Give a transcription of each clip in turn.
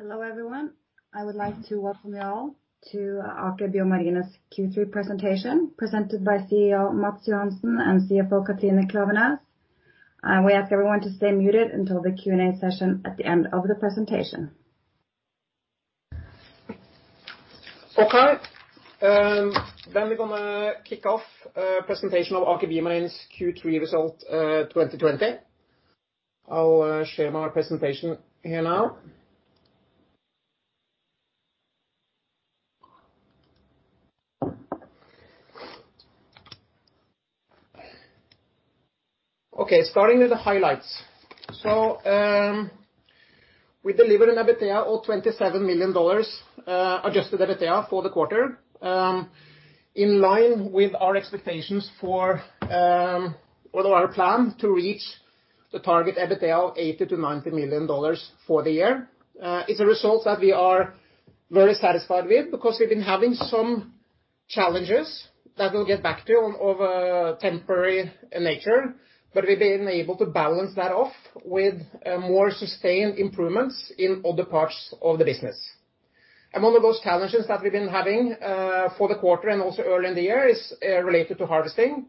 Hello everyone, I would like to welcome you all to Aker BioMarine Q3 presentation presented by CEO Matts Johansen and CFO Katrine Klaveness. We ask everyone to stay muted until the Q&A session at the end of the presentation. First, can we kick off presentation of Aker BioMarine Q3 result 2020. I'll share my presentation here now. Okay, starting with the highlights. We delivered an EBITDA of $27 million adjusted EBITDA for the quarter, in line with our expectations for, well, our plan to reach the target EBITDA of $80 million-$90 million for the year. It's a result that we are very satisfied with because we've been having some challenges that we'll get back to of a temporary nature, but we've been able to balance that off with more sustained improvements in other parts of the business. One of those challenges that we've been having for the quarter and also early in the year is related to harvesting.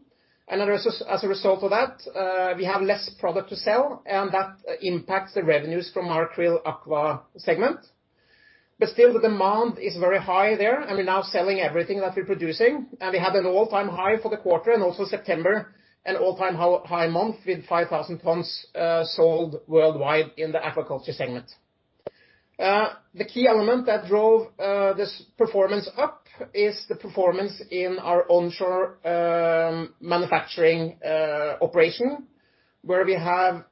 As a result of that, we have less product to sell, and that impacts the revenues from our QRILL Aqua segment. Still, the demand is very high there, and we're now selling everything that we're producing, and we had an all-time high for the quarter and also September, an all-time high month with 5,000 tons sold worldwide in the aquaculture segment. The key element that drove this performance up is the performance in our onshore manufacturing operation, where we have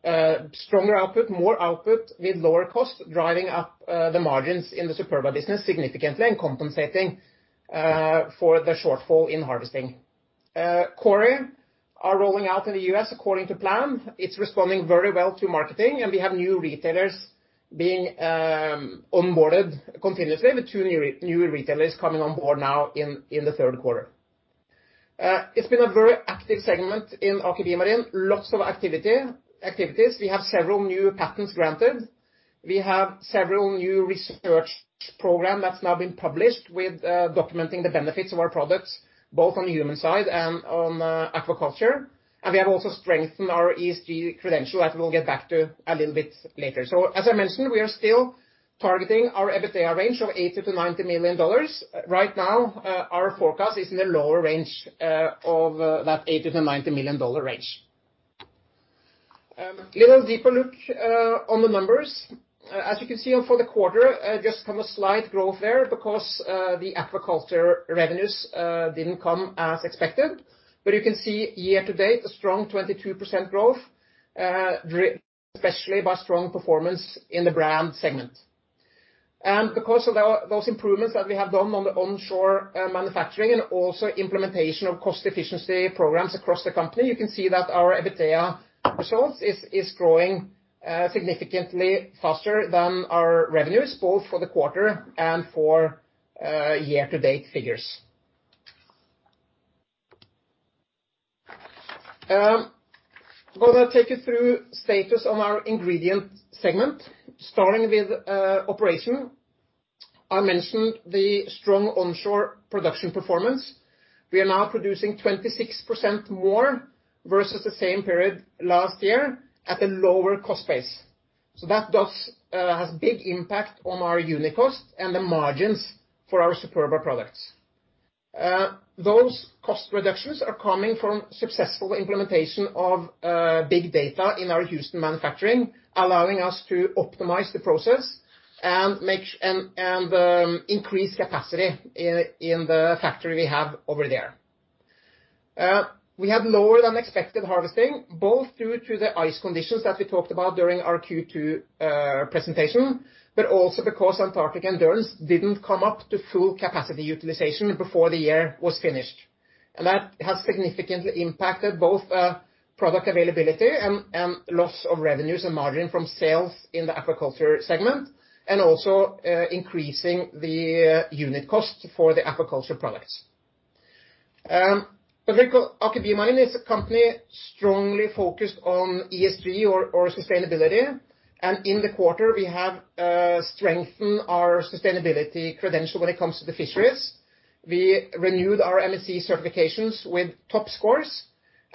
stronger output, more output with lower cost, driving up the margins in the Superba business significantly and compensating for the shortfall in harvesting. Kori are rolling out in the U.S. according to plan. It's responding very well to marketing, and we have new retailers being onboarded continuously with two new retailers coming on board now in the third quarter. It's been a very active segment in Aker BioMarine, lots of activities. We have several new patents granted. We have several new research programs that have now been published with documenting the benefits of our products, both on the human side and on aquaculture. We have also strengthened our ESG credential that we'll get back to a little bit later. As I mentioned, we are still targeting our EBITDA range of $80 million-$90 million. Right now, our forecast is in the lower range of that $80 million-$90 million range. A little deeper look on the numbers. As you can see for the quarter, just from a slight growth there because the aquaculture revenues didn't come as expected. You can see year to date, a strong 22% growth, especially by strong performance in the brand segment. Because of those improvements that we have done on the onshore manufacturing and also implementation of cost efficiency programs across the company, you can see that our EBITDA result is growing significantly faster than our revenues, both for the quarter and for year to date figures. I'm going to take you through status on our ingredient segment, starting with operation. I mentioned the strong onshore production performance. We are now producing 26% more versus the same period last year at a lower cost base. That has a big impact on our unit cost and the margins for our Superba products. Those cost reductions are coming from successful implementation of big data in our Houston manufacturing, allowing us to optimize the process and increase capacity in the factory we have over there. We had lower than expected harvesting, both due to the ice conditions that we talked about during our Q2 presentation, but also because Antarctic Endurance did not come up to full capacity utilization before the year was finished. That has significantly impacted both product availability and loss of revenues and margin from sales in the aquaculture segment, and also increasing the unit cost for the aquaculture products. Aker BioMarine is a company strongly focused on ESG or sustainability. In the quarter, we have strengthened our sustainability credential when it comes to the fisheries. We renewed our MSC certifications with top scores.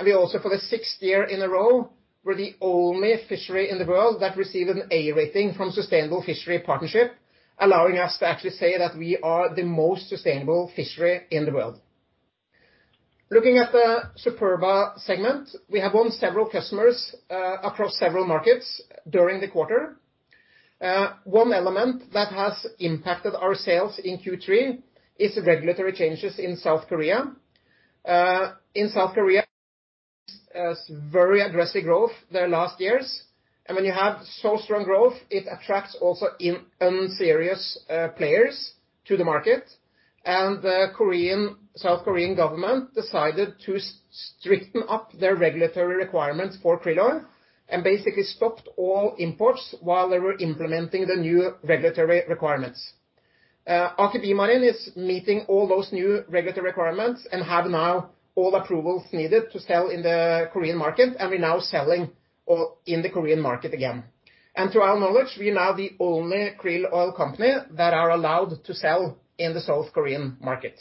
We also, for the sixth year in a row, were the only fishery in the world that received an A rating from Sustainable Fishery Partnership, allowing us to actually say that we are the most sustainable fishery in the world. Looking at the Superba segment, we have won several customers across several markets during the quarter. One element that has impacted our sales in Q3 is regulatory changes in South Korea. In South Korea, there is very aggressive growth there last years. When you have so strong growth, it attracts also unserious players to the market. The South Korean government decided to strengthen up their regulatory requirements for QRILL and basically stopped all imports while they were implementing the new regulatory requirements. Aker BioMarine is meeting all those new regulatory requirements and have now all approvals needed to sell in the Korean market, and we are now selling in the Korean market again. To our knowledge, we are now the only krill oil company that is allowed to sell in the South Korean market.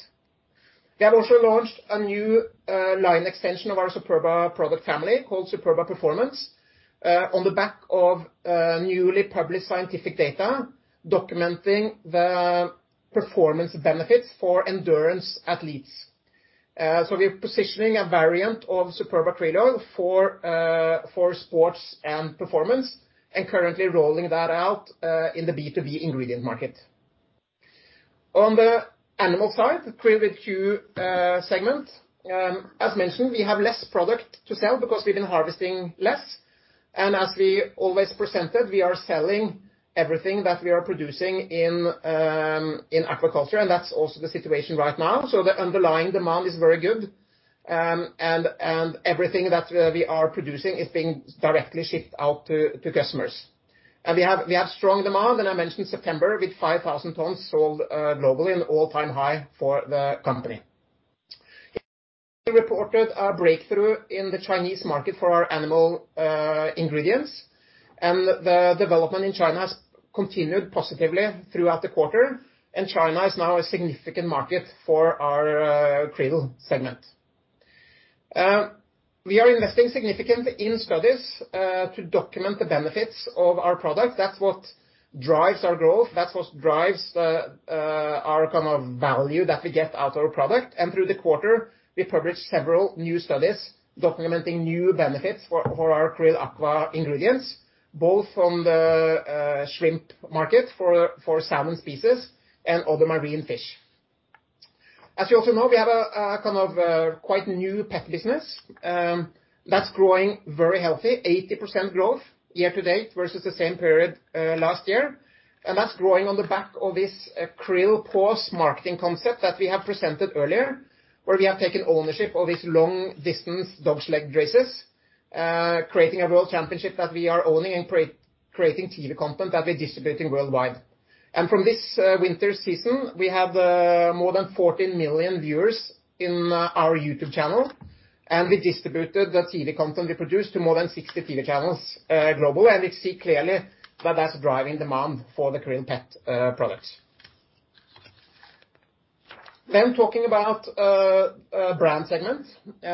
We have also launched a new line extension of our Superba product family called Superba Performance on the back of newly published scientific data documenting the performance benefits for endurance athletes. We are positioning a variant of Superba Krill Oil for sports and performance and currently rolling that out in the B2B ingredient market. On the animal side, the krill with Q segment, as mentioned, we have less product to sell because we have been harvesting less. As we always presented, we are selling everything that we are producing in aquaculture, and that is also the situation right now. The underlying demand is very good, and everything that we are producing is being directly shipped out to customers. We have strong demand, and I mentioned September with 5,000 tons sold globally and all-time high for the company. We reported a breakthrough in the Chinese market for our animal ingredients, and the development in China has continued positively throughout the quarter, and China is now a significant market for our krill segment. We are investing significantly in studies to document the benefits of our product. That's what drives our growth. That's what drives our kind of value that we get out of our product. Through the quarter, we published several new studies documenting new benefits for our QRILL Aqua ingredients, both on the shrimp market for salmon species and other marine fish. As you also know, we have a kind of quite new pet business that's growing very healthy, 80% growth year to date versus the same period last year. That is growing on the back of this KrillPause marketing concept that we have presented earlier, where we have taken ownership of these long distance dog sled races, creating a world championship that we are owning and creating TV content that we are distributing worldwide. From this winter season, we have more than 14 million viewers in our YouTube channel, and we distributed the TV content we produced to more than 60 TV channels globally, and we see clearly that is driving demand for the krill pet products. Talking about brand segments,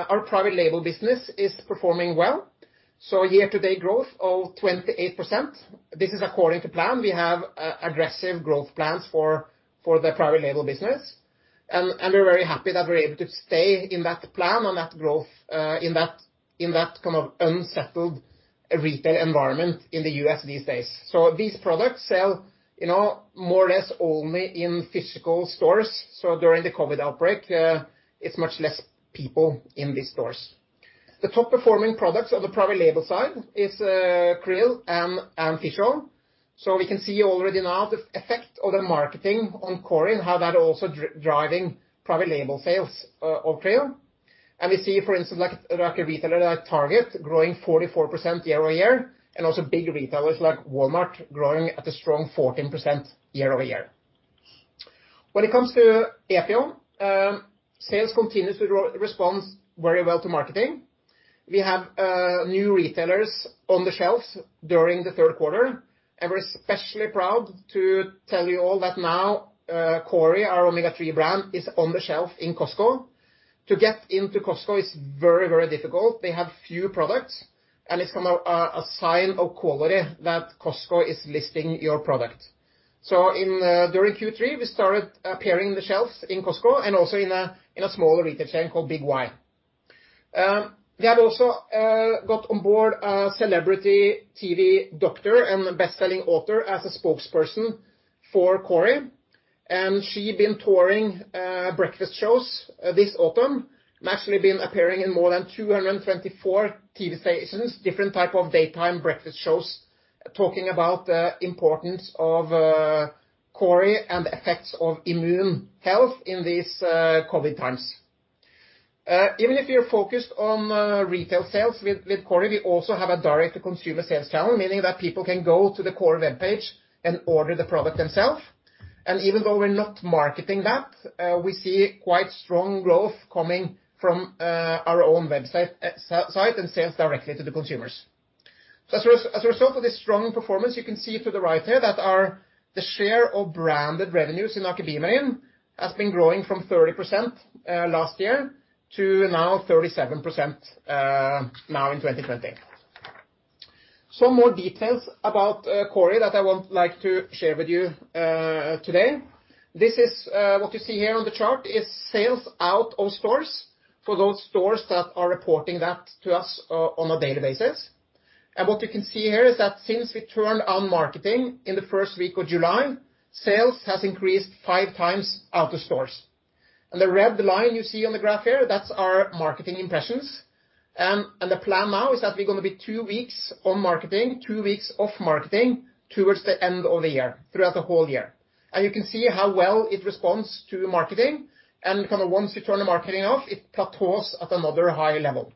our private label business is performing well. Year-to-date growth of 28%. This is according to plan. We have aggressive growth plans for the private label business, and we are very happy that we are able to stay in that plan on that growth in that kind of unsettled retail environment in the U.S. these days. These products sell, you know, more or less only in physical stores. During the COVID outbreak, there were much less people in these stores. The top performing products on the private label side are krill and fish oil. We can see already now the effect of the marketing on Kori and how that also is driving private label sales of QRILL. We see, for instance, a retailer like Target growing 44% year-over-year, and also big retailers like Walmart growing at a strong 14% year-over-year. When it comes to Aker, sales continuously respond very well to marketing. We have new retailers on the shelves during the third quarter, and we're especially proud to tell you all that now Kori, our Omega-3 brand, is on the shelf in Costco. To get into Costco is very, very difficult. They have few products, and it's kind of a sign of quality that Costco is listing your product. During Q3, we started appearing in the shelves in Costco and also in a smaller retail chain called Big Y. We have also got on board a celebrity TV doctor and best-selling author as a spokesperson for Kori, and she's been touring breakfast shows this autumn. She's actually been appearing in more than 224 TV stations, different types of daytime breakfast shows, talking about the importance of Kori and the effects of immune health in these COVID times. Even if you're focused on retail sales with Kori, we also have a direct-to-consumer sales channel, meaning that people can go to the Kori webpage and order the product themselves. Even though we're not marketing that, we see quite strong growth coming from our own website and sales directly to the consumers. As a result of this strong performance, you can see to the right there that the share of branded revenues in Aker BioMarine has been growing from 30% last year to now 37% in 2020. Some more details about Kori that I would like to share with you today. What you see here on the chart is sales out of stores for those stores that are reporting that to us on a daily basis. What you can see here is that since we turned on marketing in the first week of July, sales have increased five times out of stores. The red line you see on the graph here, that's our marketing impressions. The plan now is that we're going to be two weeks on marketing, two weeks off marketing towards the end of the year, throughout the whole year. You can see how well it responds to marketing. Kind of once we turn the marketing off, it cuts us at another high level.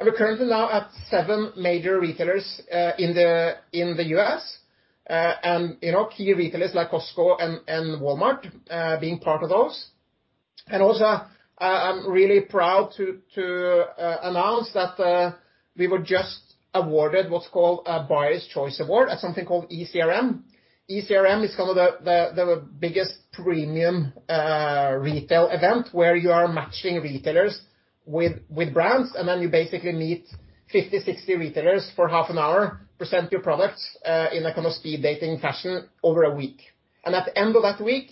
We are currently now at seven major retailers in the U.S., and key retailers like Costco and Walmart are part of those. I am really proud to announce that we were just awarded what is called a buyer's choice award at something called ECRM. ECRM is kind of the biggest premium retail event where you are matching retailers with brands, and then you basically meet 50-60 retailers for half an hour, present your products in a kind of speed dating fashion over a week. At the end of that week,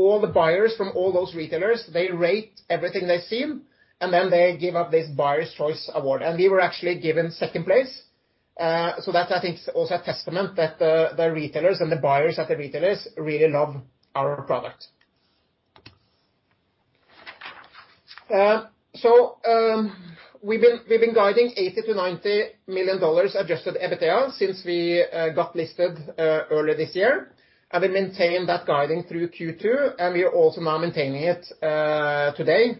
all the buyers from all those retailers rate everything they have seen, and then they give out this buyer's choice award. We were actually given second place. I think, also, a testament that the retailers and the buyers at the retailers really love our product. We've been guiding $80 million-$90 million adjusted EBITDA since we got listed earlier this year. We maintain that guiding through Q2, and we are also now maintaining it today,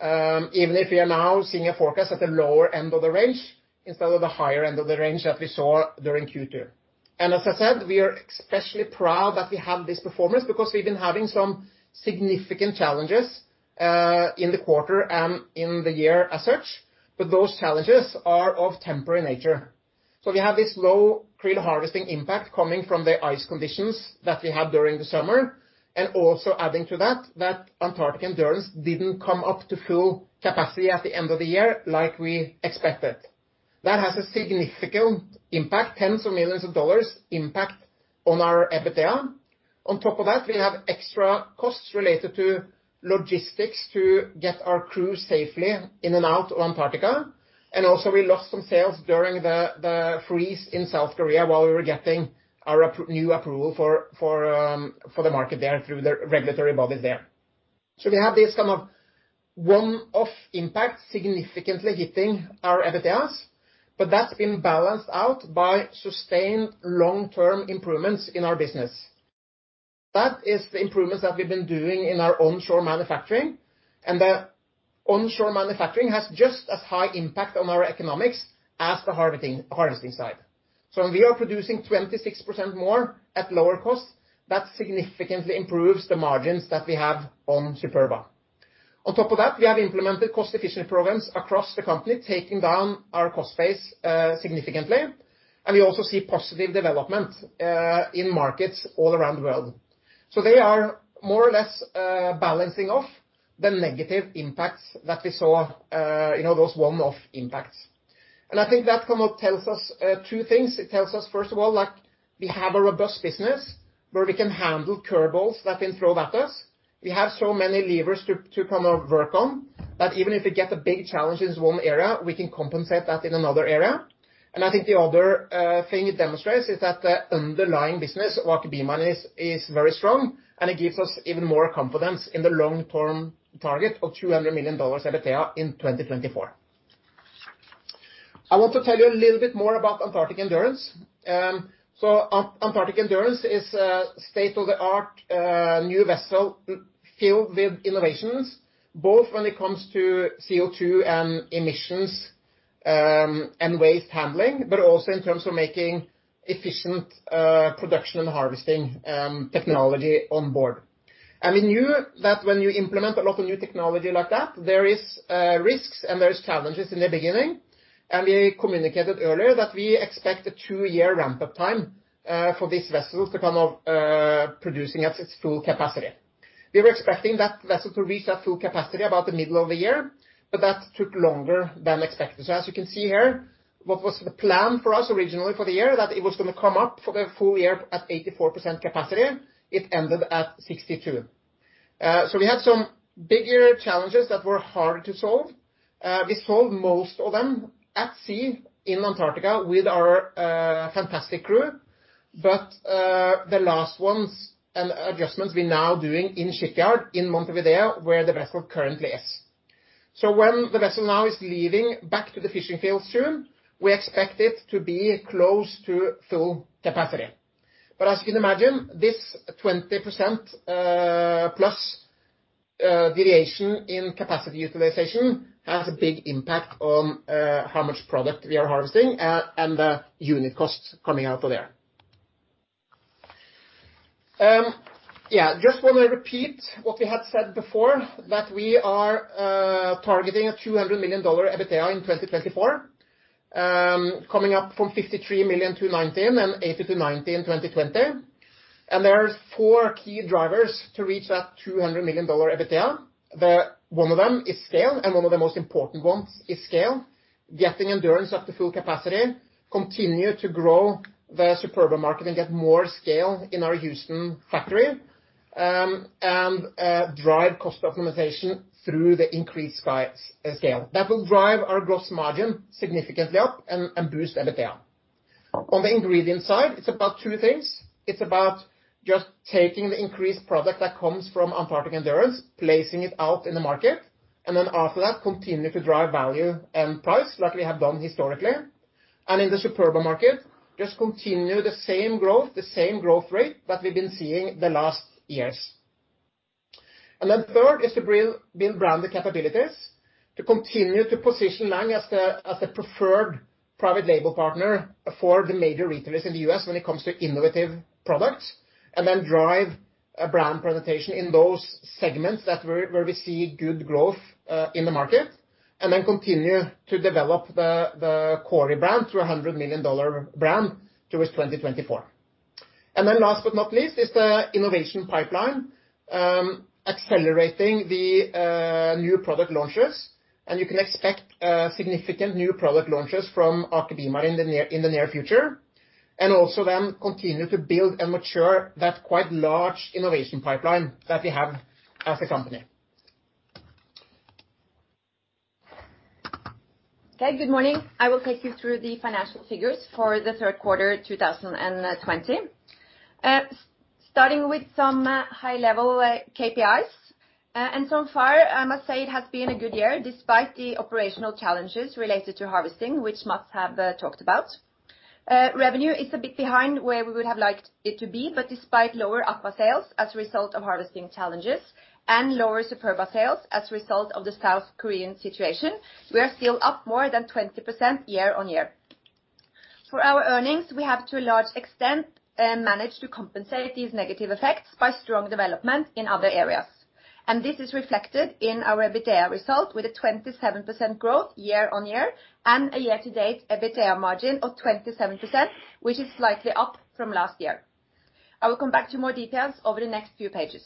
even if we are now seeing a forecast at the lower end of the range instead of the higher end of the range that we saw during Q2. As I said, we are especially proud that we have this performance because we've been having some significant challenges in the quarter and in the year as such, but those challenges are of temporary nature. We have this low krill harvesting impact coming from the ice conditions that we had during the summer. Also adding to that, that Antarctic Endurance did not come up to full capacity at the end of the year like we expected. That has a significant impact, tens of millions of dollars impact on our EBITDA. On top of that, we have extra costs related to logistics to get our crew safely in and out of Antarctica. Also, we lost some sales during the freeze in South Korea while we were getting our new approval for the market there through the regulatory bodies there. We have this kind of one-off impact significantly hitting our EBITDA, but that has been balanced out by sustained long-term improvements in our business. That is the improvements that we have been doing in our onshore manufacturing. The onshore manufacturing has just as high impact on our economics as the harvesting side. When we are producing 26% more at lower costs, that significantly improves the margins that we have on Superba. On top of that, we have implemented cost-efficient programs across the company, taking down our cost base significantly. We also see positive development in markets all around the world. They are more or less balancing off the negative impacts that we saw, you know, those one-off impacts. I think that kind of tells us two things. It tells us, first of all, we have a robust business where we can handle curveballs that can be thrown at us. We have so many levers to kind of work on that even if we get a big challenge in one area, we can compensate that in another area. I think the other thing it demonstrates is that the underlying business of Aker BioMarine is very strong, and it gives us even more confidence in the long-term target of $200 million EBITDA in 2024. I want to tell you a little bit more about Antarctic Endurance. Antarctic Endurance is a state-of-the-art new vessel filled with innovations, both when it comes to CO2 and emissions and waste handling, but also in terms of making efficient production and harvesting technology on board. We knew that when you implement a lot of new technology like that, there are risks and there are challenges in the beginning. We communicated earlier that we expect a two-year ramp-up time for this vessel to kind of produce at its full capacity. We were expecting that vessel to reach at full capacity about the middle of the year, but that took longer than expected. As you can see here, what was the plan for us originally for the year that it was going to come up for the full year at 84% capacity, it ended at 62%. We had some bigger challenges that were hard to solve. We solved most of them at sea in Antarctica with our fantastic crew, but the last ones and adjustments we're now doing in shipyard in Montevideo, where the vessel currently is. When the vessel now is leaving back to the fishing field soon, we expect it to be close to full capacity. As you can imagine, this 20%+ deviation in capacity utilization has a big impact on how much product we are harvesting and the unit cost coming out of there. I just want to repeat what we had said before, that we are targeting a $200 million EBITDA in 2024, coming up from $53 million to $19 million and $80 million-$19 million in 2020. There are four key drivers to reach that $200 million EBITDA. One of them is scale, and one of the most important ones is scale. Getting Endurance up to full capacity, continue to grow the Superba market and get more scale in our Houston factory, and drive cost optimization through the increased scale. That will drive our gross margin significantly up and boost EBITDA. On the ingredient side, it's about two things. It's about just taking the increased product that comes from Antarctic Endurance, placing it out in the market, and after that, continue to drive value and price like we have done historically. In the Superba market, just continue the same growth, the same growth rate that we've been seeing the last years. Third is to build branded capabilities to continue to position Lang as the preferred private label partner for the major retailers in the U.S. when it comes to innovative products, and drive brand presentation in those segments where we see good growth in the market, and continue to develop the Kori brand through a $100 million brand towards 2024. Last but not least is the innovation pipeline, accelerating the new product launches, and you can expect significant new product launches from Aker BioMarine in the near future, and also continue to build and mature that quite large innovation pipeline that we have as a company. Okay, good morning. I will take you through the financial figures for the third quarter 2020, starting with some high-level KPIs. So far, I must say it has been a good year despite the operational challenges related to harvesting, which Matts has talked about. Revenue is a bit behind where we would have liked it to be, but despite lower APA sales as a result of harvesting challenges and lower Superba sales as a result of the South Korean situation, we are still up more than 20% year-on-year. For our earnings, we have to a large extent managed to compensate these negative effects by strong development in other areas. This is reflected in our EBITDA result with a 27% growth year-on-year and a year-to-date EBITDA margin of 27%, which is slightly up from last year. I will come back to more details over the next few pages.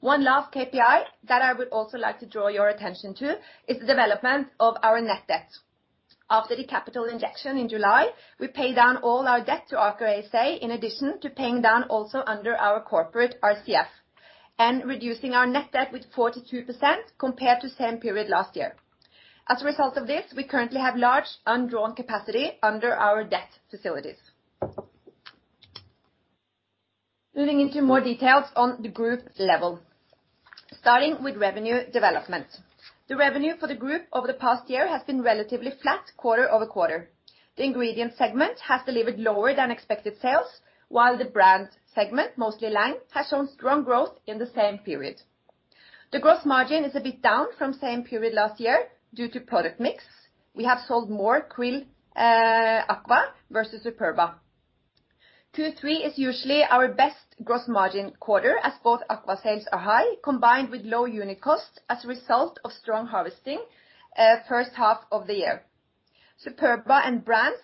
One last KPI that I would also like to draw your attention to is the development of our net debt. After the capital injection in July, we paid down all our debt to Aker ASA in addition to paying down also under our corporate RCF and reducing our net debt with 42% compared to the same period last year. As a result of this, we currently have large undrawn capacity under our debt facilities. Moving into more details on the group level, starting with revenue development. The revenue for the group over the past year has been relatively flat quarter over quarter. The ingredient segment has delivered lower than expected sales, while the brand segment, mostly Lang, has shown strong growth in the same period. The gross margin is a bit down from the same period last year due to product mix. We have sold more QRILL Aqua versus Superba. Q3 is usually our best gross margin quarter as both Aqua sales are high, combined with low unit costs as a result of strong harvesting the first half of the year. Superba and Brands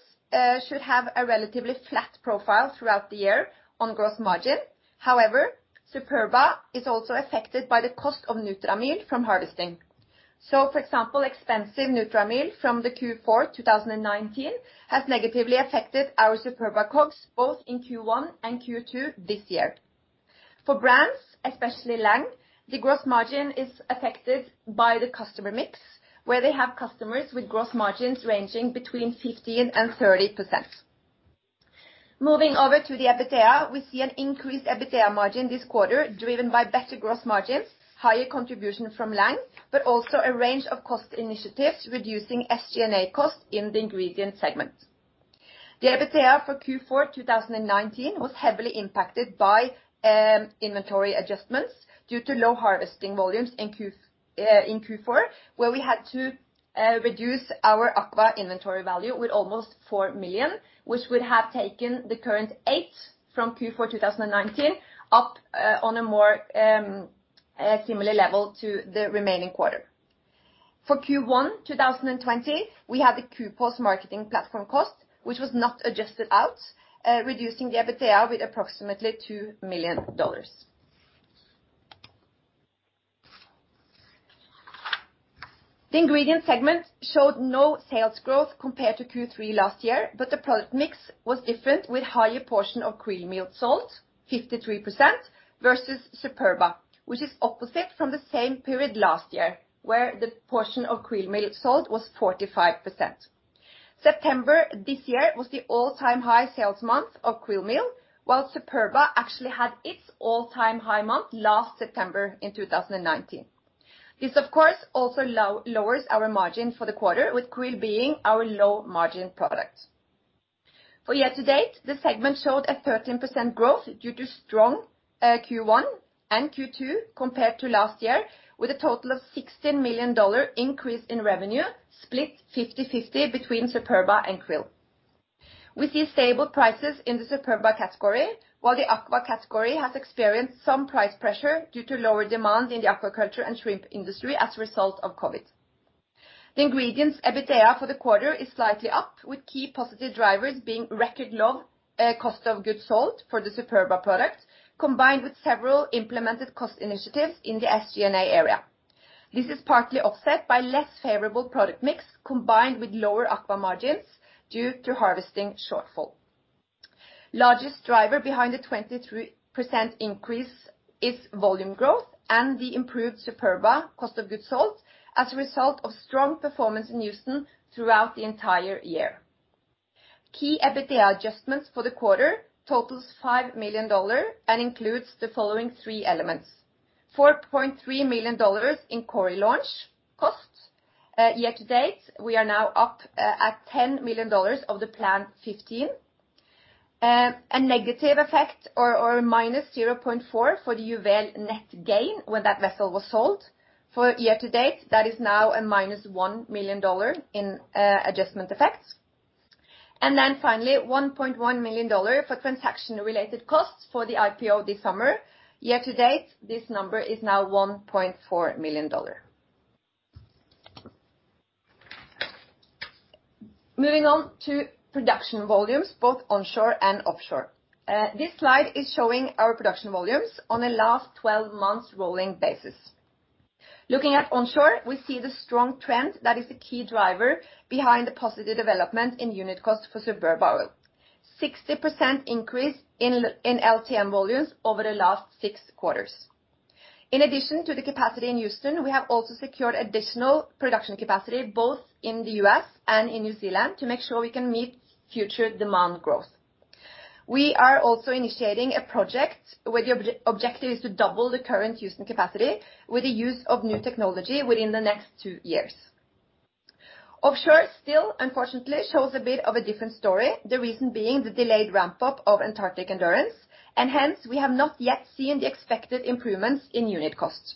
should have a relatively flat profile throughout the year on gross margin. However, Superba is also affected by the cost of Nutramul from harvesting. For example, extensive Nutramul from the Q4 2019 has negatively affected our Superba COGS both in Q1 and Q2 this year. For Brands, especially Lang, the gross margin is affected by the customer mix, where they have customers with gross margins ranging between 15% and 30%. Moving over to the EBITDA, we see an increased EBITDA margin this quarter driven by better gross margins, higher contribution from Lang, but also a range of cost initiatives reducing SG&A costs in the ingredient segment. The EBITDA for Q4 2019 was heavily impacted by inventory adjustments due to low harvesting volumes in Q4, where we had to reduce our Aqua inventory value with almost $4 million, which would have taken the current $8 million from Q4 2019 up on a more similar level to the remaining quarter. For Q1 2020, we had the QPOS marketing platform cost, which was not adjusted out, reducing the EBITDA with approximately $2 million. The ingredient segment showed no sales growth compared to Q3 last year, but the product mix was different with a higher portion of QRILL meal sold, 53%, versus Superba, which is opposite from the same period last year, where the portion of QRILL meal sold was 45%. September this year was the all-time high sales month of QRILL meal, while Superba actually had its all-time high month last September in 2019. This, of course, also lowers our margin for the quarter, with QRILL being our low-margin product. For year-to-date, the segment showed a 13% growth due to strong Q1 and Q2 compared to last year, with a total of $16 million increase in revenue split 50-50 between Superba and QRILL. We see stable prices in the Superba category, while the Aqua category has experienced some price pressure due to lower demand in the aquaculture and shrimp industry as a result of COVID. The ingredients' EBITDA for the quarter is slightly up, with key positive drivers being record low cost of goods sold for the Superba product, combined with several implemented cost initiatives in the SG&A area. This is partly offset by less favorable product mix combined with lower Aqua margins due to harvesting shortfall. The largest driver behind the 23% increase is volume growth and the improved Superba cost of goods sold as a result of strong performance in Houston throughout the entire year. Key EBITDA adjustments for the quarter total $5 million and include the following three elements: $4.3 million in Kori launch cost. Year-to-date, we are now up at $10 million of the planned $15 million. A negative effect or minus $0.4 million for the UVL net gain when that vessel was sold. For year-to-date, that is now a minus $1 million in adjustment effects. Finally, $1.1 million for transaction-related costs for the IPO this summer. Year-to-date, this number is now $1.4 million. Moving on to production volumes, both onshore and offshore. This slide is showing our production volumes on a last 12 months rolling basis. Looking at onshore, we see the strong trend that is the key driver behind the positive development in unit cost for Superba Oil, 60% increase in LTM volumes over the last six quarters. In addition to the capacity in Houston, we have also secured additional production capacity both in the U.S. and in New Zealand to make sure we can meet future demand growth. We are also initiating a project where the objective is to double the current Houston capacity with the use of new technology within the next two years. Offshore still, unfortunately, shows a bit of a different story, the reason being the delayed ramp-up of Antarctic Endurance, and hence we have not yet seen the expected improvements in unit cost.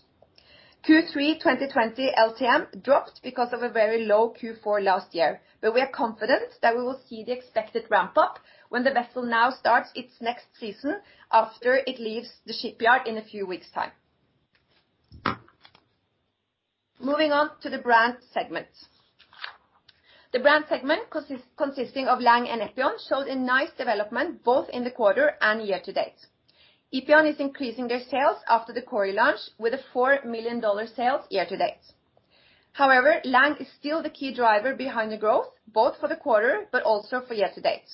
Q3 2020 LTM dropped because of a very low Q4 last year, but we are confident that we will see the expected ramp-up when the vessel now starts its next season after it leaves the shipyard in a few weeks' time. Moving on to the brand segment. The brand segment consisting of Lang and Epion showed a nice development both in the quarter and year-to-date. Epion is increasing their sales after the Kori launch with a $4 million sales year-to-date. However, Lang is still the key driver behind the growth, both for the quarter but also for year-to-date.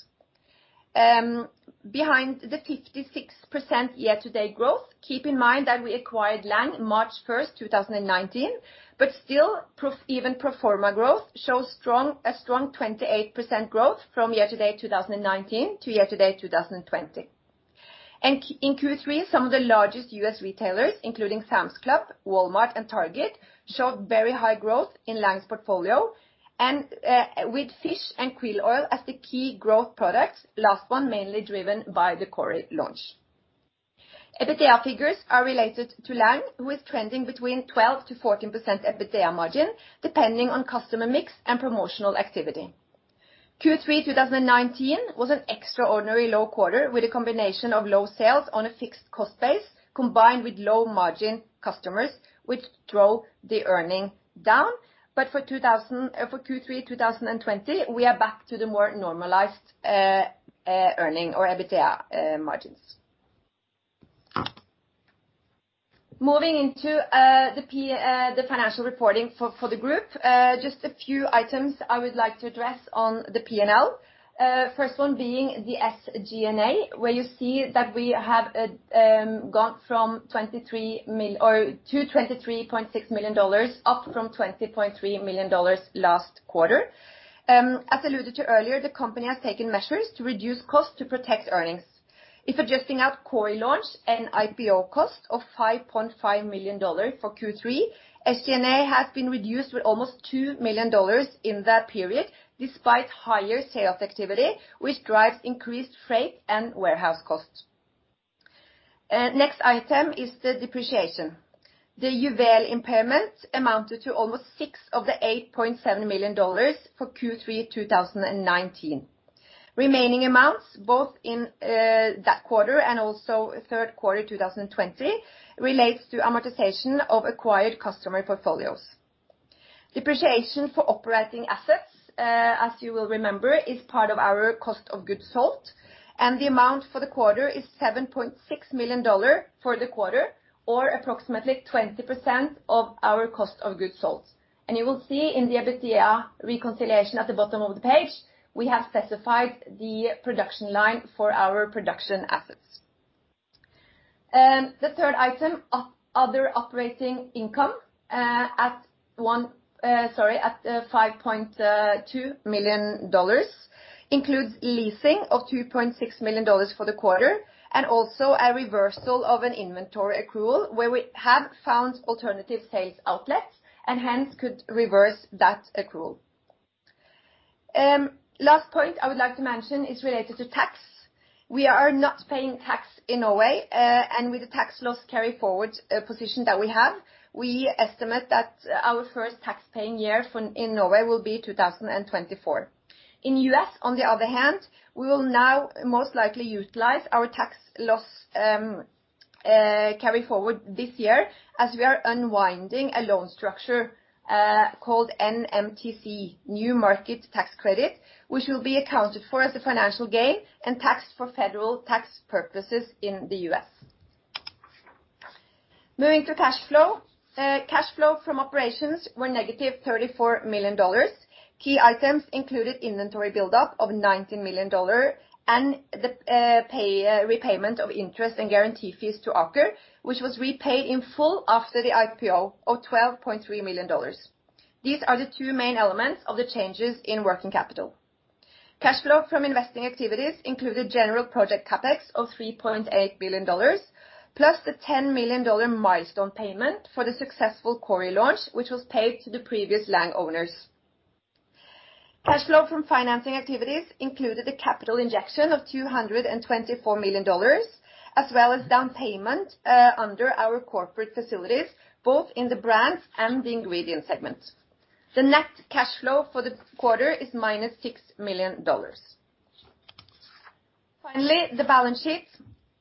Behind the 56% year-to-date growth, keep in mind that we acquired Lang March 1st, 2019, but still even pro forma growth shows a strong 28% growth from year-to-date 2019 to year-to-date 2020. In Q3, some of the largest U.S. retailers, including Sam's Club, Walmart, and Target, showed very high growth in Lang's portfolio, with fish and krill oil as the key growth products, last one mainly driven by the Kori launch. EBITDA figures are related to Lang, with trending between 12%-14% EBITDA margin depending on customer mix and promotional activity. Q3 2019 was an extraordinary low quarter with a combination of low sales on a fixed cost base, combined with low margin customers, which drove the earning down. For Q3 2020, we are back to the more normalized earning or EBITDA margins. Moving into the financial reporting for the group, just a few items I would like to address on the P&L. First one being the SG&A, where you see that we have gone from $23.6 million up from $20.3 million last quarter. As alluded to earlier, the company has taken measures to reduce costs to protect earnings. If adjusting out Kori launch and IPO cost of $5.5 million for Q3, SG&A had been reduced with almost $2 million in that period, despite higher sales activity, which drives increased freight and warehouse costs. Next item is the depreciation. The UVL impairment amounted to almost $6 million of the $8.7 million for Q3 2019. Remaining amounts, both in that quarter and also third quarter 2020, relate to amortization of acquired customer portfolios. Depreciation for operating assets, as you will remember, is part of our cost of goods sold, and the amount for the quarter is $7.6 million for the quarter, or approximately 20% of our cost of goods sold. You will see in the EBITDA reconciliation at the bottom of the page, we have specified the production line for our production assets. The third item, other operating income, at $5.2 million, includes leasing of $2.6 million for the quarter and also a reversal of an inventory accrual where we have found alternative sales outlets and hence could reverse that accrual. Last point I would like to mention is related to tax. We are not paying tax in Norway, and with the tax loss carry forward position that we have, we estimate that our first tax paying year in Norway will be 2024. In the U.S., on the other hand, we will now most likely utilize our tax loss carry forward this year as we are unwinding a loan structure called NMTC, New Markets Tax Credit, which will be accounted for as a financial gain and taxed for federal tax purposes in the U.S. Moving to cash flow, cash flow from operations were negative $34 million. Key items included inventory build-up of $19 million and the repayment of interest and guarantee fees to Aker, which was repaid in full after the IPO of $12.3 million. These are the two main elements of the changes in working capital. Cash flow from investing activities included general project CapEx of $3.8 million, plus the $10 million milestone payment for the successful Kori launch, which was paid to the previous Lang owners. Cash flow from financing activities included the capital injection of $224 million, as well as down payment under our corporate facilities, both in the brands and the ingredient segment. The net cash flow for the quarter is -$6 million. Finally, the balance sheet.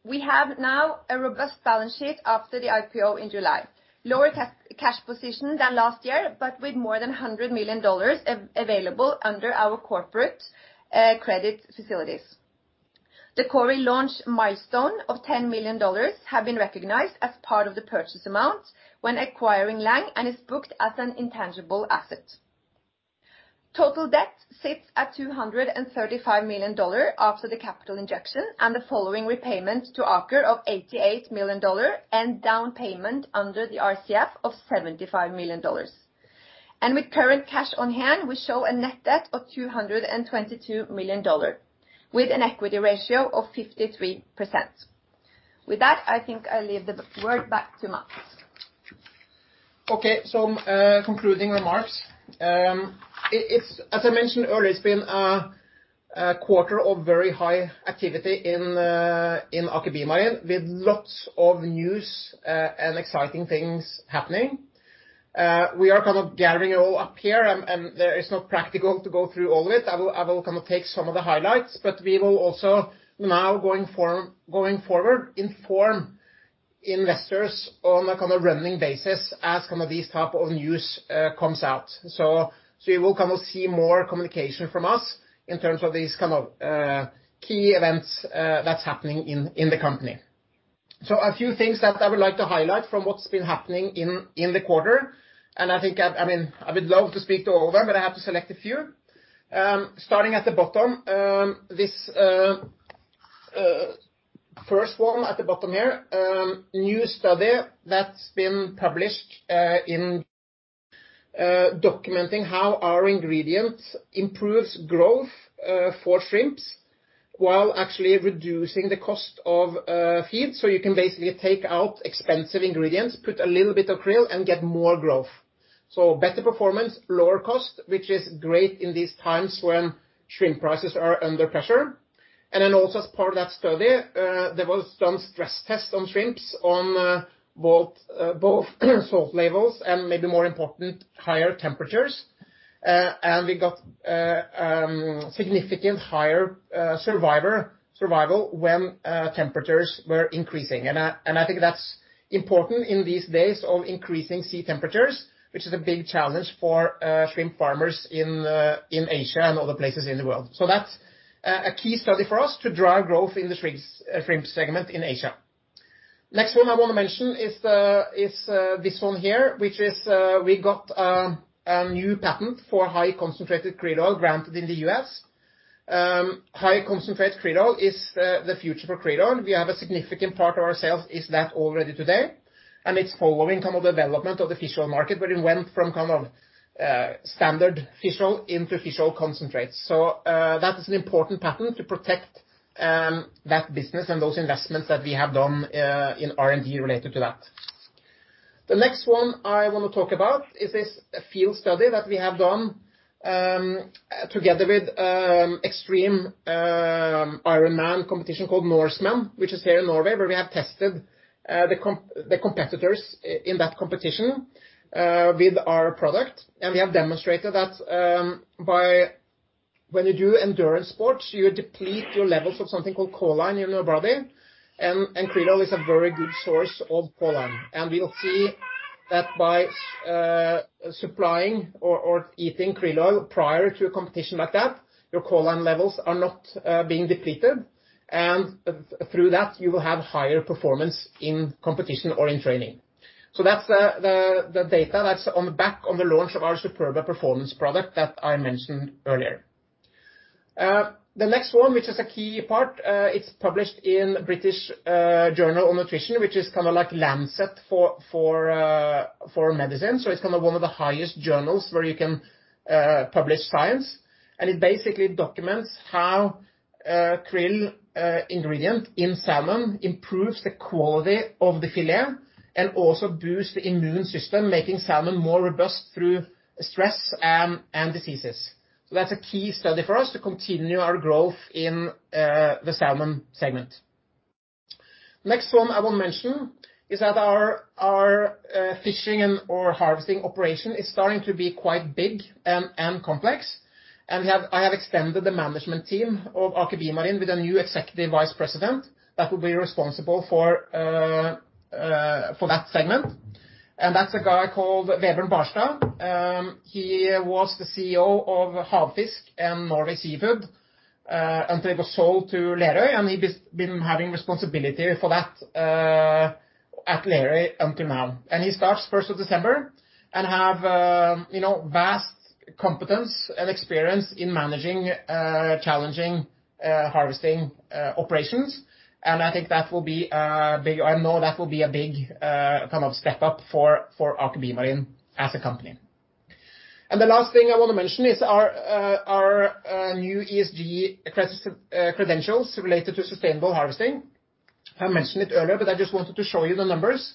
We have now a robust balance sheet after the IPO in July, lower cash position than last year, but with more than $100 million available under our corporate credit facilities. The Kori launch milestone of $10 million had been recognized as part of the purchase amount when acquiring Lang and is booked as an intangible asset. Total debt sits at $235 million after the capital injection and the following repayment to Aker of $88 million and down payment under the RCF of $75 million. With current cash on hand, we show a net debt of $222 million, with an equity ratio of 53%. With that, I think I'll leave the word back to Matts. Okay, so concluding my marks. As I mentioned earlier, it's been a quarter of very high activity in Aker BioMarine with lots of news and exciting things happening. We are kind of gathering it all up here, and it's not practical to go through all of it. I will kind of take some of the highlights, but we will also now going forward inform investors on a kind of running basis as kind of these type of news comes out. You will kind of see more communication from us in terms of these kind of key events that's happening in the company. A few things that I would like to highlight from what's been happening in the quarter, and I think I would love to speak to all of them, but I have to select a few. Starting at the bottom, this first one at the bottom here, new study that's been published in documenting how our ingredient improves growth for shrimps while actually reducing the cost of feed. You can basically take out expensive ingredients, put a little bit of krill, and get more growth. Better performance, lower cost, which is great in these times when shrimp prices are under pressure. Also as part of that study, there was some stress tests on shrimps on both salt levels and maybe more important higher temperatures. We got significant higher survival when temperatures were increasing. I think that's important in these days of increasing sea temperatures, which is a big challenge for shrimp farmers in Asia and other places in the world. That's a key study for us to drive growth in the shrimp segment in Asia. Next one I want to mention is this one here, which is we got a new patent for high concentrated krill oil granted in the U.S.. High concentrated krill oil is the future for krill oil. We have a significant part of our sales is that already today, and it's following kind of the development of the fish oil market, but it went from kind of standard fish oil into fish oil concentrates. That is an important patent to protect that business and those investments that we have done in R&D related to that. The next one I want to talk about is this field study that we have done together with extreme Ironman competition called Norseman, which is here in Norway, where we have tested the competitors in that competition with our product. We have demonstrated that when you do endurance sports, you deplete your levels of something called choline in your body, and krill oil is a very good source of choline. We will see that by supplying or eating krill oil prior to a competition like that, your choline levels are not being depleted, and through that, you will have higher performance in competition or in training. That is the data that is on the back on the launch of our Superba Performance product that I mentioned earlier. The next one, which is a key part, is published in British Journal of Nutrition, which is kind of like Lancet for medicine. It is kind of one of the highest journals where you can publish science, and it basically documents how krill ingredient in salmon improves the quality of the filet and also boosts the immune system, making salmon more robust through stress and diseases. That is a key study for us to continue our growth in the salmon segment. Next one I want to mention is that our fishing and/or harvesting operation is starting to be quite big and complex, and I have extended the management team of Aker BioMarine with a new Executive Vice President that will be responsible for that segment. That is a guy called Webjørn Barstad. He was the CEO of Havfisk and Norway Seafood until it was sold to Lerøy, and he has been having responsibility for that at Lerøy until now. He starts 1st of December and has vast competence and experience in managing challenging harvesting operations. I think that will be a big—I know that will be a big kind of step up for Aker BioMarine as a company. The last thing I want to mention is our new ESG credentials related to sustainable harvesting. I mentioned it earlier, but I just wanted to show you the numbers.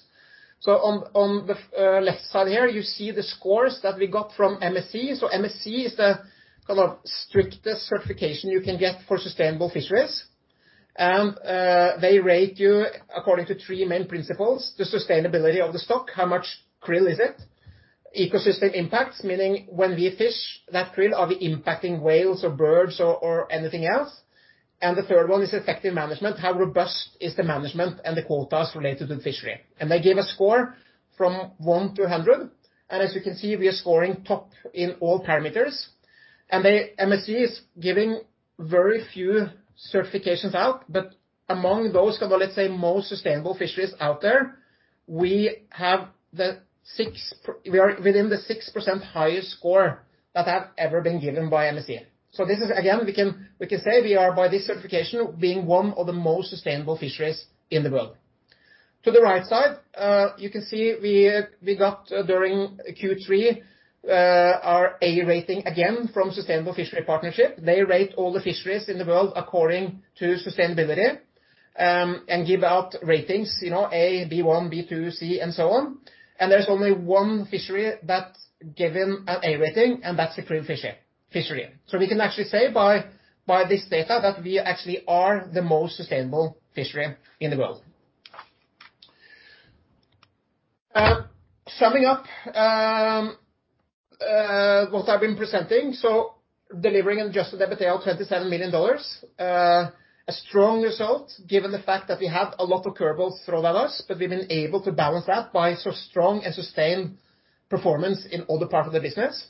On the left side here, you see the scores that we got from MSC. MSC is the kind of strictest certification you can get for sustainable fisheries. They rate you according to three main principles: the sustainability of the stock, how much krill is it, ecosystem impacts, meaning when we fish that krill, are we impacting whales or birds or anything else? The third one is effective management. How robust is the management and the quotas related to the fishery? They gave us four from one to a hundred. As you can see, we are scoring top in all parameters. MSC is giving very few certifications out, but among those, let's say, most sustainable fisheries out there, we are within the 6% highest score that have ever been given by MSC. This is, again, we can say we are, by this certification, being one of the most sustainable fisheries in the world. To the right side, you can see we got during Q3 our A rating again from Sustainable Fishery Partnership. They rate all the fisheries in the world according to sustainability and give out ratings, you know, A, B1, B2, C, and so on. There is only one fishery that's given an A rating, and that's the krill fishery. We can actually say by this data that we actually are the most sustainable fishery in the world. Summing up what I've been presenting, delivering an adjusted EBITDA of $27 million, a strong result given the fact that we had a lot of curbs thrown at us, but we've been able to balance that by so strong and sustained performance in all the parts of the business.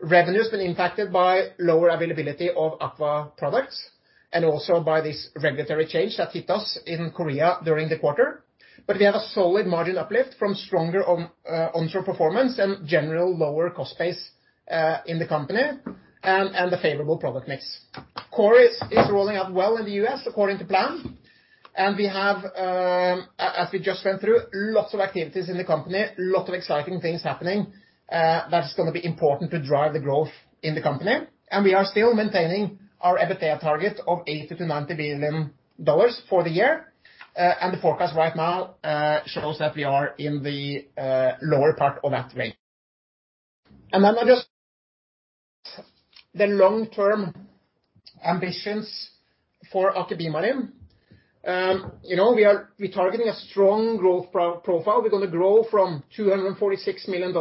Revenue has been impacted by lower availability of aqua products and also by this regulatory change that hit us in Korea during the quarter. We have a solid margin uplift from stronger onshore performance and general lower cost base in the company and the favorable product mix. Kori is rolling out well in the U.S. according to plan. We have, as we just went through, lots of activities in the company, lots of exciting things happening that's going to be important to drive the growth in the company. We are still maintaining our EBITDA target of $80million-$90 million for the year. The forecast right now shows that we are in the lower part of that range. I just—the long-term ambitions for Aker BioMarine. You know, we are targeting a strong growth profile. We're going to grow from $246 million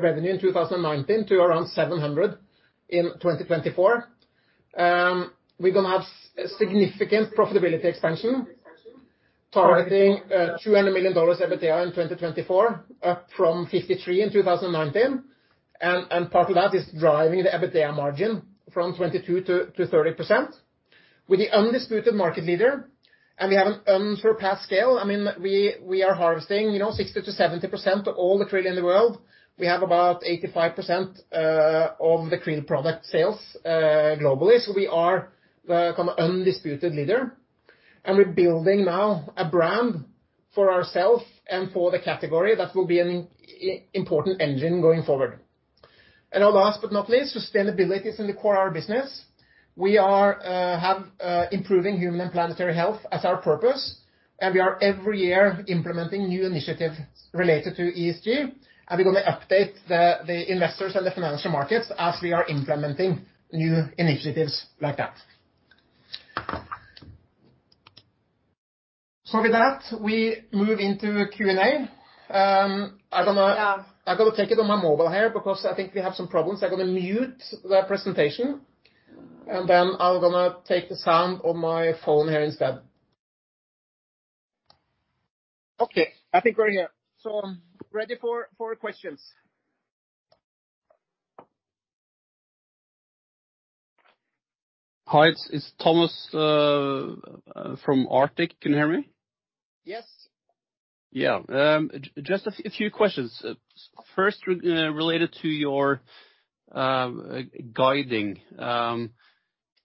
revenue in 2019 to around $700 million in 2024. We're going to have significant profitability expansion, targeting $200 million EBITDA in 2024, up from $53 million in 2019. Part of that is driving the EBITDA margin from 22% to 30%. We're the undisputed market leader, and we have an unsurpassed scale. I mean, we are harvesting, you know, 60%-70% of all the krill in the world. We have about 85% of the krill product sales globally. We are the kind of undisputed leader. We are building now a brand for ourselves and for the category that will be an important engine going forward. Last but not least, sustainability is in the core of our business. We have improving human and planetary health as our purpose. We are every year implementing new initiatives related to ESG. We are going to update the investors and the financial markets as we are implementing new initiatives like that. With that, we move into Q&A. I'm going to take it on my mobile here because I think we have some problems. I'm going to mute the presentation, and then I'm going to take the sound on my phone here instead. Okay, I think we're here. Ready for questions. Hi, it's Thomas from Arctic. Can you hear me? Yes. Yeah, just a few questions. First, related to your guiding,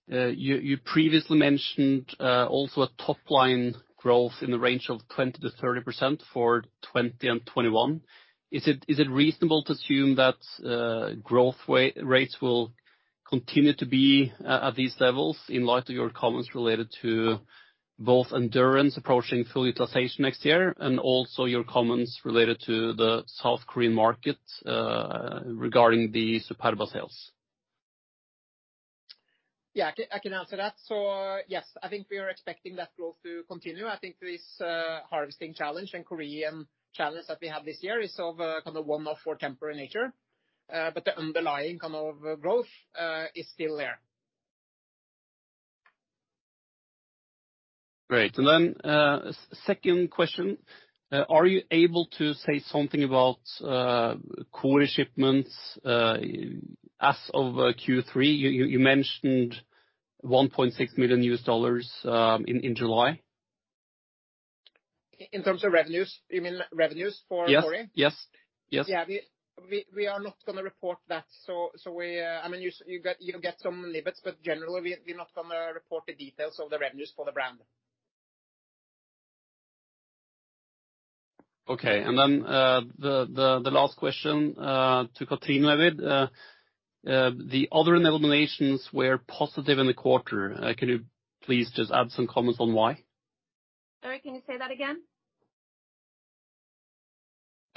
you previously mentioned also a top-line growth in the range of 20%-30% for 2021. Is it reasonable to assume that growth rates will continue to be at these levels in light of your comments related to both Endurance approaching full utilization next year and also your comments related to the South Korean market regarding the Superba sales? Yeah, I can answer that. Yes, I think we are expecting that growth to continue. I think this harvesting challenge and Korean challenge that we have this year is of a kind of one-off or temporary nature, but the underlying kind of growth is still there. Great. Then second question, are you able to say something about Kori shipments as of Q3? You mentioned $1.6 million in July. In terms of revenues, you mean revenues for Kori? Yes. Yes. Yeah, we are not going to report that. I mean, you'll get some limits, but generally, we're not going to report the details of the revenues for the brand. Okay. The last question to Katrine maybe. The other eliminations were positive in the quarter. Can you please just add some comments on why? Sorry, can you say that again?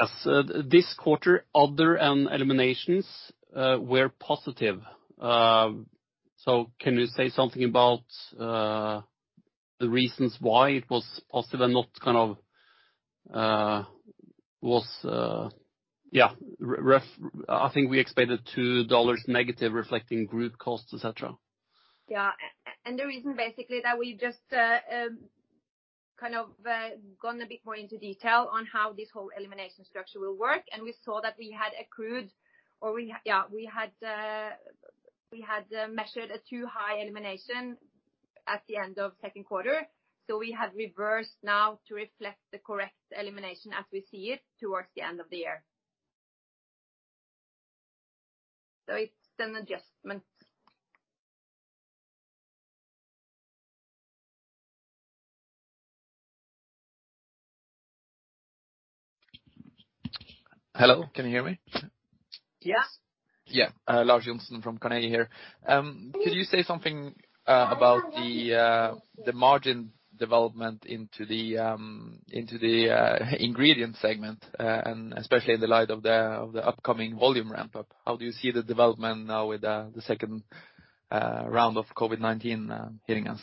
Yes. This quarter, other eliminations were positive. Can you say something about the reasons why it was positive and not kind of, yeah, rough? I think we expected $2 million negative reflecting group costs, etc. Yeah. The reason basically that we just kind of gone a bit more into detail on how this whole elimination structure will work. We saw that we had accrued, or yeah, we had measured a too high elimination at the end of second quarter. We have reversed now to reflect the correct elimination as we see it towards the end of the year. It is an adjustment. Hello, can you hear me? Yes. Yeah, Lars Jonsson from Carnegie here. Could you say something about the margin development into the ingredient segment, and especially in the light of the upcoming volume ramp-up? How do you see the development now with the second round of COVID-19 hitting us?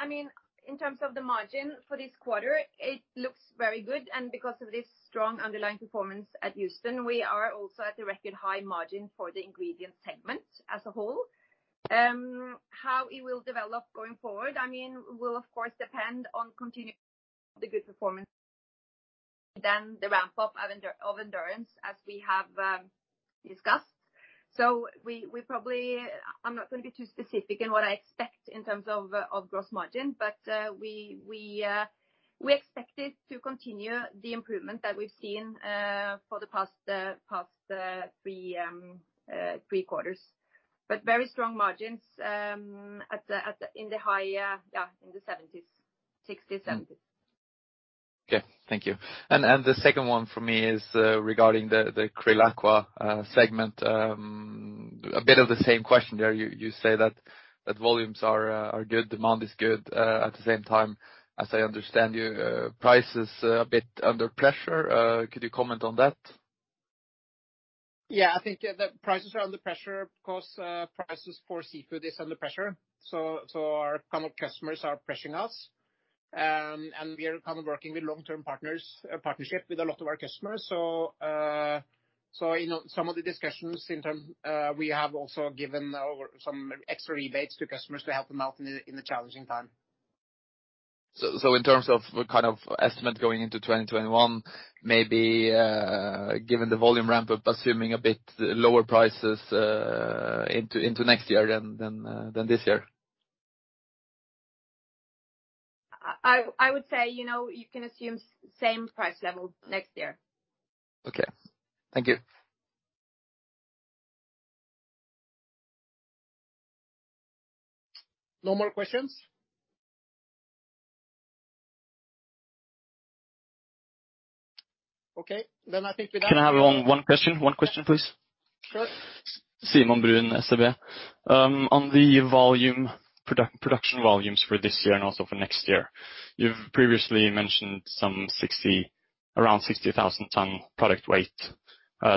I mean, in terms of the margin for this quarter, it looks very good. Because of this strong underlying performance at Houston, we are also at a record high margin for the ingredient segment as a whole. How it will develop going forward, I mean, will of course depend on continuing the good performance and then the ramp-up of endurance as we have discussed. I am not going to be too specific in what I expect in terms of gross margin, but we expect to continue the improvement that we have seen for the past three quarters. Very strong margins in the high, yeah, in the 70s, 60s, 70s. Okay, thank you. The second one for me is regarding the QRILL Aqua segment. A bit of the same question there. You say that volumes are good, demand is good. At the same time, as I understand you, price is a bit under pressure. Could you comment on that? Yeah, I think the prices are under pressure because prices for seafood are under pressure. So our kind of customers are pressuring us. We are kind of working with long-term partnership with a lot of our customers. In some of the discussions in time, we have also given some extra rebates to customers to help them out in a challenging time. In terms of kind of estimate going into 2021, maybe given the volume ramp-up, assuming a bit lower prices into next year than this year? I would say, you know, you can assume same price level next year. Okay, thank you. No more questions? Okay, then I think we're done. Can I have one question? One question, please. Sure. Simon Bruun, Cevea. On the production volumes for this year and also for next year, you've previously mentioned around 60,000 ton product weight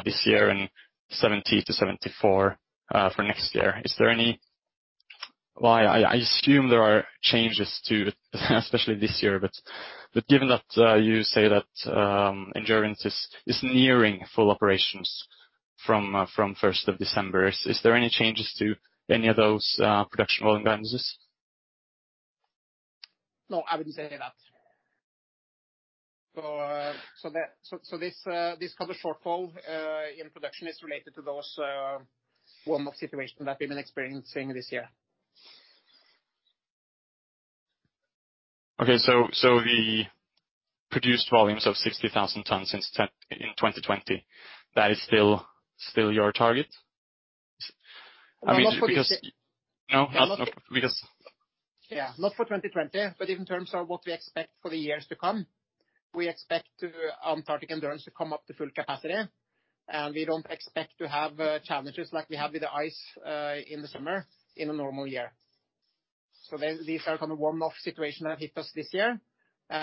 this year and 70,000-74,000 for next year. Is there any—I assume there are changes too, especially this year, but given that you say that Endurance is nearing full operations from 1st of December, is there any changes to any of those production volume dynamics? No, I wouldn't say that. This kind of shortfall in production is related to those warm-up situations that we've been experiencing this year. Okay, so the produced volumes of 60,000 tonnes in 2020, that is still your target? I mean, because— No, not for 2020. Yeah, not for 2020, but in terms of what we expect for the years to come, we expect Antarctic Endurance to come up to full capacity. We do not expect to have challenges like we had with the ice in the summer in a normal year. These are kind of warm-up situations that hit us this year. We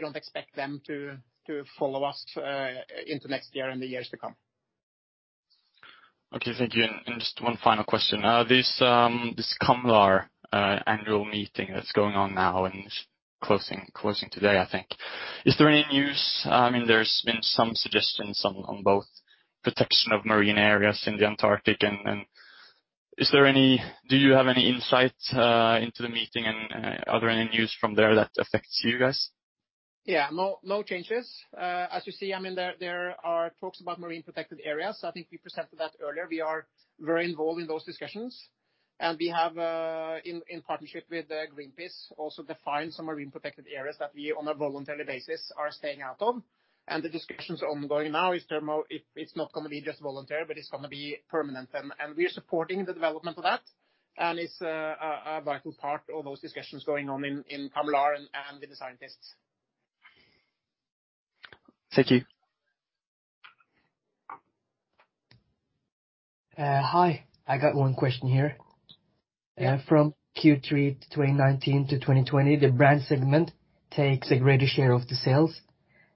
do not expect them to follow us into next year and the years to come. Okay, thank you. Just one final question. This CCAMLR annual meeting that is going on now and closing today, I think, is there any news? I mean, there have been some suggestions on both protection of marine areas in the Antarctic. Is there any—do you have any insight into the meeting? Are there any news from there that affects you guys? Yeah, no changes. As you see, I mean, there are talks about marine protected areas. I think we presented that earlier. We are very involved in those discussions. We have, in partnership with Greenpeace, also defined some marine protected areas that we, on a voluntary basis, are staying out of. The discussions ongoing now are that it is not going to be just voluntary, but it is going to be permanent. We are supporting the development of that. It is a vital part of those discussions going on in CCAMLR and with the scientists. Thank you. Hi, I got one question here. From Q3 2019 to 2020, the brand segment takes a greater share of the sales.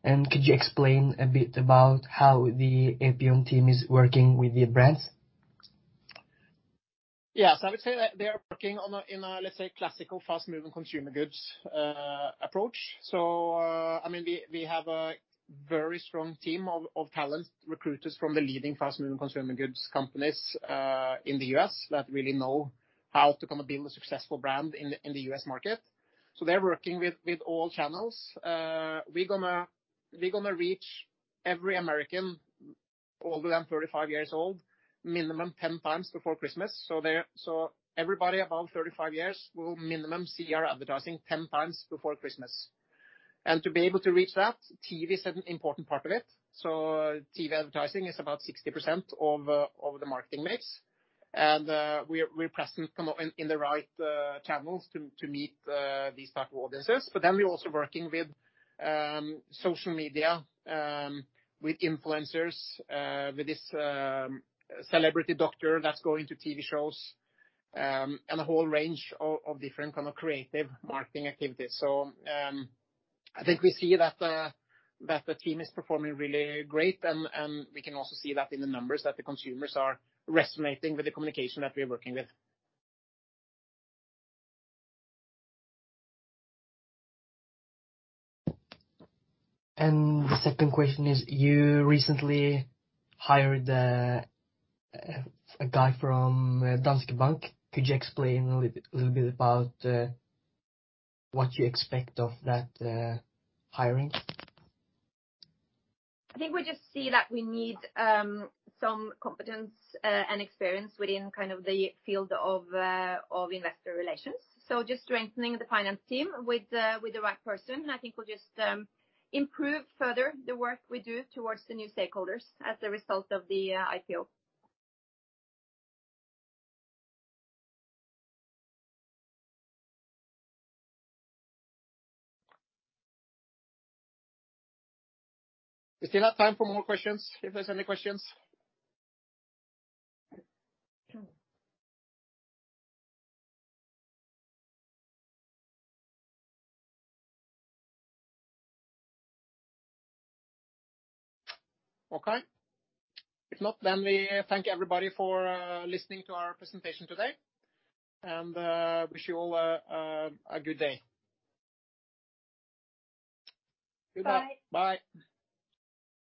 Could you explain a bit about how the Epion team is working with the brands? Yes, I would say they are working on a, let's say, classical fast-moving consumer goods approach. So, I mean, we have a very strong team of talent recruiters from the leading fast-moving consumer goods companies in the U.S. that really know how to kind of build a successful brand in the U.S. market. They're working with all channels. We're going to reach every American older than 35 years old, minimum 10 times before Christmas. Everybody above 35 years will minimum see our advertising 10 times before Christmas. To be able to reach that, TV is an important part of it. TV advertising is about 60% of the marketing mix. We're present in the right channels to meet these types of audiences. We're also working with social media, with influencers, with this celebrity doctor that's going to TV shows, and a whole range of different kinds of creative marketing activities. I think we see that the team is performing really great. We can also see that in the numbers, that the consumers are resonating with the communication that we are working with. The second question is, you recently hired a guy from Danske Bank. Could you explain a little bit about what you expect of that hiring? I think we just see that we need some competence and experience within kind of the field of investor relations. Just strengthening the finance team with the right person. I think we'll just improve further the work we do towards the new stakeholders as a result of the IPO. Is there time for more questions? If there's any questions? Okay. If not, then we thank everybody for listening to our presentation today and wish you all a good day. Goodbye. Bye.